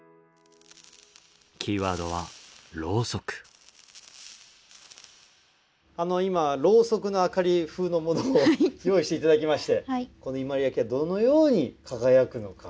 キーワードは今ろうそくの明かり風のものを用意して頂きましてこの伊万里焼がどのように輝くのか。